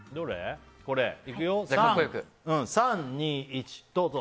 ３、２、１、どうぞ！